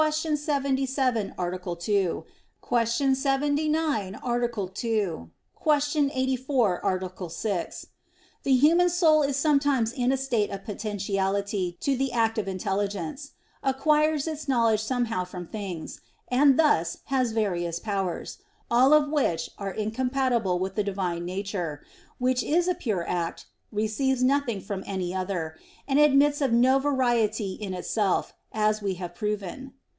77, A. 2; Q. 79, A. 2; Q. 84, A. 6), the human soul is sometimes in a state of potentiality to the act of intelligence acquires its knowledge somehow from things and thus has various powers; all of which are incompatible with the Divine Nature, Which is a pure act receives nothing from any other and admits of no variety in itself, as we have proved (Q.